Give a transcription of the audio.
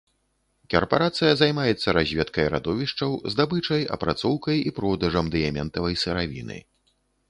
Карпарацыя займаецца разведкай радовішчаў, здабычай, апрацоўкай і продажам дыяментавай сыравіны.